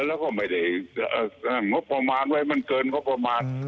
แล้วก็ไม่ได้สร้างงบประมาณไว้มันเกินงบประมาณ